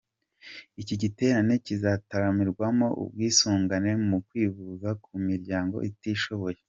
Iki giterane kizanatangirwamo ubwisungane mu kwivuza ku miryango itishoboye.